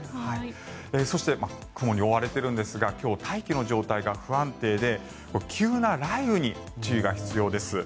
そして雲に覆われているんですが今日、大気の状態が不安定で急な雷雨に注意が必要です。